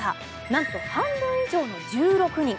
何と半分以上の１６人。